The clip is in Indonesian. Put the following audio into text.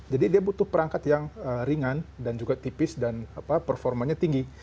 jadi dia butuh perangkat yang ringan dan juga tipis dan performanya tinggi